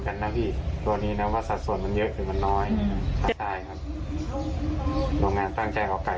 แล้วแล้วตัวเนี่ยในแผนหน้าที่ของเราเองก็เป็นคนซื้อจัดเขามาอีกทีเนี่ย